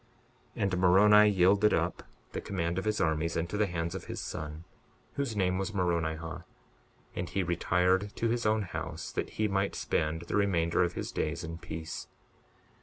62:43 And Moroni yielded up the command of his armies into the hands of his son, whose name was Moronihah; and he retired to his own house that he might spend the remainder of his days in peace.